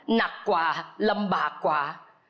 หนักกว่าลำบากกว่า